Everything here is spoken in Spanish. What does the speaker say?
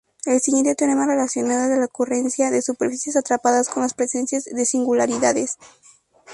El siguiente teorema relaciona la ocurrencia de "superficies atrapadas" con la presencia de singularidades.